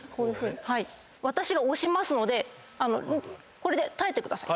私が押しますのでこれで耐えてください。